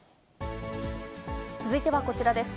続いてはこちらです。